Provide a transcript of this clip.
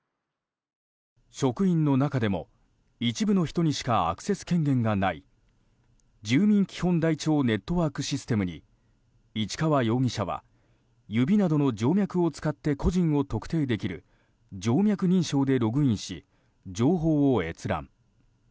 職員の中でも一部の人しかアクセス権限がない住民基本台帳ネットワークシステムに市川容疑者は指などの静脈を使って個人を特定できる静脈認証でログインし情報を閲覧。